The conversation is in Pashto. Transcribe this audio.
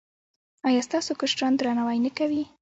ایا ستاسو کشران درناوی نه کوي؟